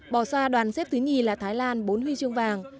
bò xoa đoàn xếp thứ hai là thái lan bốn huy chương vàng